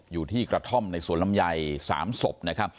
อยู่ที่กระท้อมในสนรำไย๓ศพ